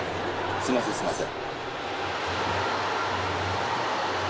すみません、すみません。